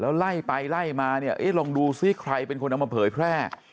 ไล่ไปไล่มาเนี่ยเอ๊ะลองดูซิใครเป็นคนเอามาเผยแพร่